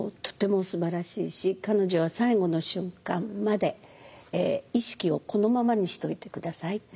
とてもすばらしいし彼女は最後の瞬間まで意識をこのままにしといて下さい。